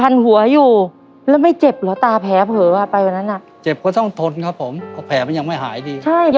แล้วเห็นบอกว่าไปในสภาพที่เราเห็นกันนะคุณผู้ชมแบบนั้นเลย